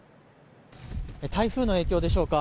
台風の影響でしょうか。